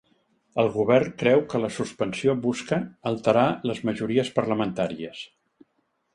El govern creu que la suspensió busca ‘alterar les majories parlamentàries’